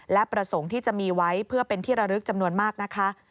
และประสงค์ที่จะมีไว้เพื่อเป็นที่ระลึกจำนวนมากนะคะ